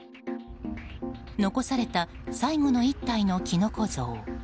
残された最後の１体のキノコ像。